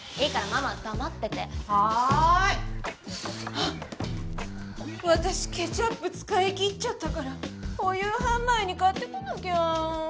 あっ私ケチャップ使いきっちゃったからお夕飯前に買ってこなきゃ。